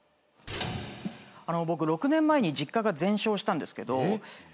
あの僕６年前に実家が全焼したんですけどえ